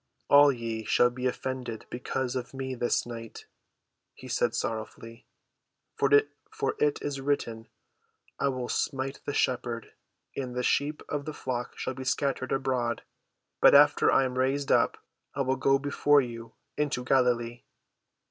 "All ye shall be offended because of me this night," he said sorrowfully. "For it is written, I will smite the shepherd, and the sheep of the flock shall be scattered abroad. But after I am raised up, I will go before you into Galilee."